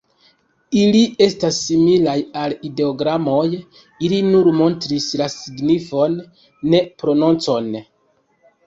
Ili estas similaj al ideogramoj: ili nur montris la signifon, ne prononcon.